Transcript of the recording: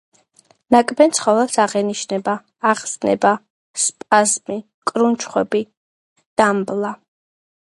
ნაკბენ ცხოველს აღენიშნება აგზნება, სპაზმი, კრუნჩხვები, დამბლა.